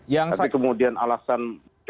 tapi kemudian alasan